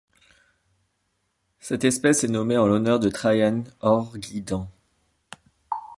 Cette espèce est nommée en l'honneur de Traian Orghidan.